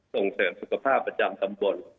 ส่งเสริมสุขภาพประจำตำบล